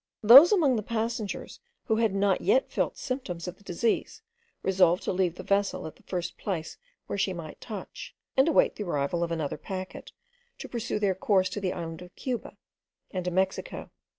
Those among the passengers who had not yet felt symptoms of the disease, resolved to leave the vessel at the first place where she might touch, and await the arrival of another packet, to pursue their course to the island of Cuba and to Mexico.